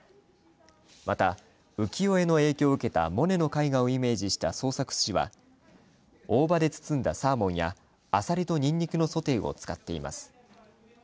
また、浮世絵の影響を受けたモネの絵画をイメージした創作すしは大葉で包んだサーモンやあさりとにんにくのソテーを使っています。